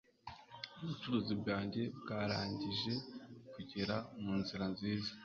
Ubucuruzi bwanjye bwarangije kugera munzira nziza.